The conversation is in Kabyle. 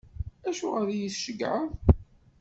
Acuɣer i yi-tceggɛeḍ?